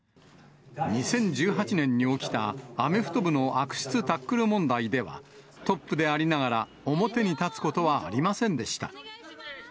２０１８年に起きたアメフト部の悪質タックル問題では、トップでありながら、表に立つことはありませんでした。